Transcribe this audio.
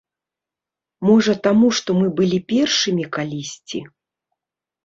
Можа, таму што мы былі першымі калісьці?